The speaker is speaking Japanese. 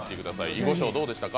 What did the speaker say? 囲碁将、どうでしたか？